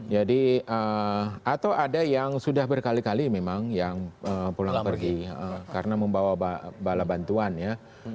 jadi atau ada yang sudah berkali kali memang yang pulang pergi karena membawa bala bantuan ya